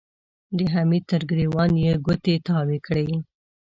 د حميد تر ګرېوان يې ګوتې تاوې کړې.